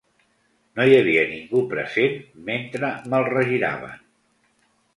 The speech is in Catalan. No hi havia ningú present mentre me’l regiraven.